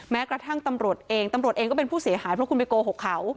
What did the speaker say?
แม้กระทั่งตำรวจเองตำรวจเองก็เป็นผู้เสียหายเพราะคุณไปโกหกเขา